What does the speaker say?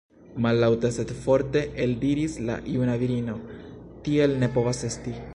Mallaŭte sed forte eldiris la juna virino: tiel ne povas esti!